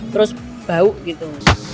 terus bau gitu